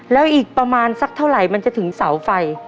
แล้วอีกประมาณสักเท่าไหร่มันจะถึงเสาไฟ